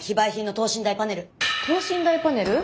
等身大パネル？